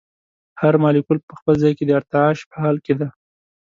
هر مالیکول په خپل ځای کې د ارتعاش په حال کې دی.